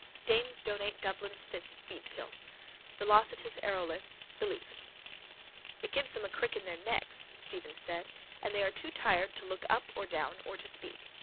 DAMES DONATE DUBLIN'S CITS SPEEDPILLS VELOCITOUS AEROLITHS, BELIEF —It gives them a crick in their necks, Stephen said, and they are too tired to look up or down or to speak.